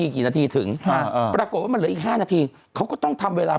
กี่นาทีถึงปรากฏว่ามันเหลืออีก๕นาทีเขาก็ต้องทำเวลา